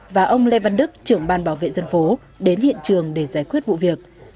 và ông lê văn đức trưởng ban bảo vệ dân phố đến hiện trường để giải quyết vụ việc